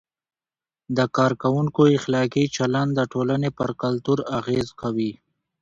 د کارکوونکو اخلاقي چلند د ټولنې پر کلتور اغیز کوي.